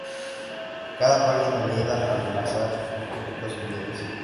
Cada página leída al azar multiplica sus dudas.